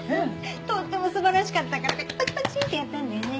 とっても素晴らしかったからこうやってパチパチってやったんだよね。